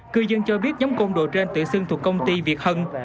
cư dân cho biết nhóm côn đồ trên tự xưng thuộc công ty việt hân